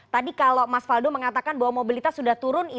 tadi kalau mas faldo mengatakan bahwa mobilitas sudah turun